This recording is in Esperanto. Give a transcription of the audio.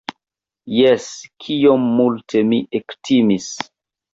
Jes, kiom multe mi ektimis!